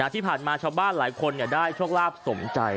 ที่ผ่านมาชาวบ้านหลายคนได้โชคลาภสมใจ